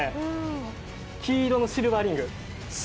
黄色のシルバーリング。